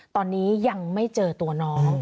ตอนนี้ยังไม่เจอตัวน้อง